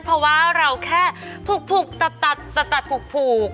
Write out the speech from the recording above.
เพราะว่าเราแค่ผูกตัดผูก